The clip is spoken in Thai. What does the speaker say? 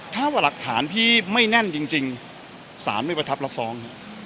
ถ้าหลักฐานพี่ไม่แน่นจริงจริง๓ไม่ประทับละท้อง